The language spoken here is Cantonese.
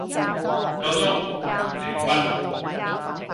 夠鐘，停筆